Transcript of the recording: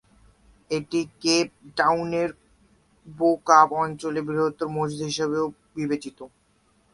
এটি কেপ টাউনের বো-কাপ অঞ্চলে বৃহত্তম মসজিদ হিসাবেও বিবেচিত।